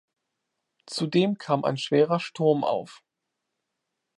Zudem kam ein schwerer Sturm auf.